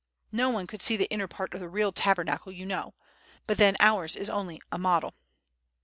No one could see the inner part of the real Tabernacle, you know; but then ours is only a model."